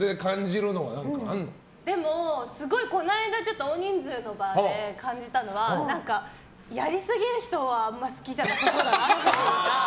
でも、この間大人数の場で感じたのはやりすぎる人はあんまり好きじゃなさそうだなみたいな。